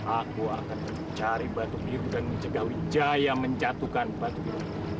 aku akan mencari batu biru dan menjaga ngujaya menjatuhkan batu biru